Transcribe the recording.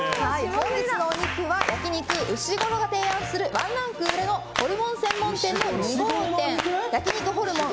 本日のお肉は焼肉うしごろが提案するワンランク上のホルモン専門店の２号店焼肉ホルモン